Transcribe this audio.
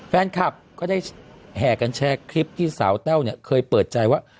แฟนคลับก็ได้แห่กันแชร์คลิปที่สาวแต้วเนี่ยเคยเปิดใจว่า